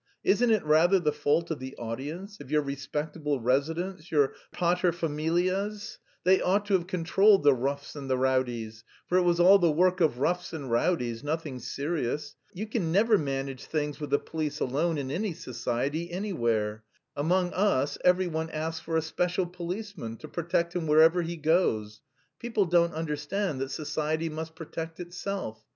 Isn't it rather the fault of the audience, of your respectable residents, your patresfamilias? They ought to have controlled the roughs and the rowdies for it was all the work of roughs and rowdies, nothing serious. You can never manage things with the police alone in any society, anywhere. Among us every one asks for a special policeman to protect him wherever he goes. People don't understand that society must protect itself.